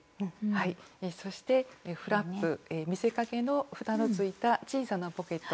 そしてフラップ見せかけのふたのついた小さなポケット。